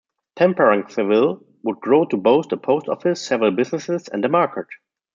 Temperanceville would grow to boast a post office, several businesses, and a market.